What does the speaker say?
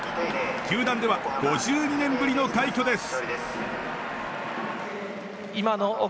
球団では５２年ぶりの快挙です！